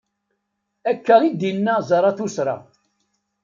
Akka i d-inna Zarathustra.